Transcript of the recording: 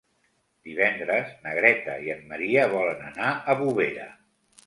Divendres na Greta i en Maria volen anar a Bovera.